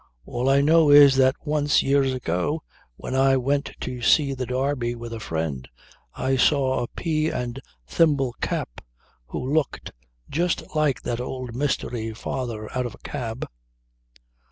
All I know is that once, years ago when I went to see the Derby with a friend, I saw a pea and thimble chap who looked just like that old mystery father out of a cab."